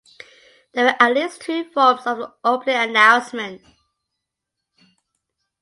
There were at least two forms of the opening announcement.